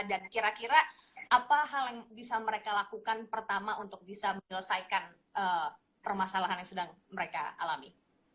dan kira kira apa hal yang bisa mereka lakukan pertama untuk bisa menyelesaikan permasalahan yang sudah mereka alami